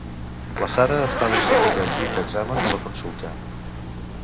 La Sara estava asseguda al llit d'examen de la consulta